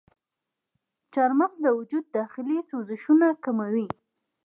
چارمغز د وجود داخلي سوزشونه کموي.